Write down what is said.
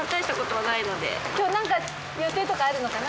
今日なんか予定とかあるのかな？